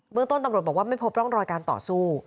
เมืองต้นตำรวจบอกว่าไม่พบร่องรอยการต่อสู้